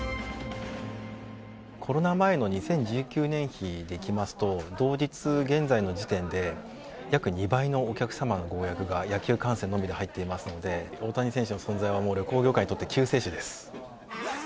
コロナ前の２０１９年比でいきますと、同日現在の時点で、約２倍のお客様のご予約が野球観戦のみで入っていますので、大谷選手の存在は、もう旅行業界にとって救世主です。